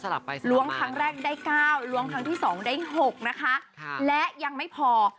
หลวงทั้งแรกได้๙ล้วงทั้งที่๒ได้๖นะคะและยังไม่พอ